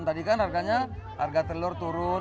tadi kan harganya harga telur turun